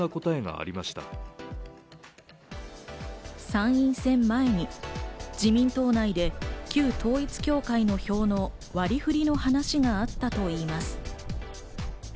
参院選前に自民党内で旧統一教会の票の割り振りの話があったといいます。